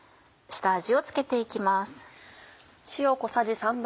下味を付けて行きます。